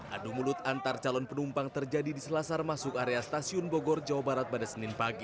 adu mulut antar calon penumpang terjadi di selasar masuk area stasiun bogor jawa barat pada senin pagi